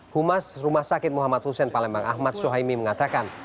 humas rumah sakit muhammad hussein palembang ahmad sohaimi mengatakan